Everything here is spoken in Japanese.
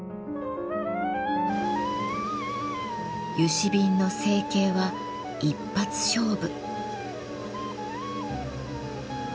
嘉瓶の成形は一発勝負。